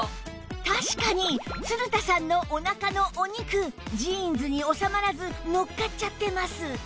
確かに鶴田さんのおなかのお肉ジーンズに収まらず乗っかっちゃってます